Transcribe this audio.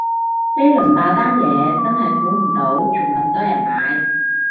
呢輪爆單嘢真係估唔到仲咁多人買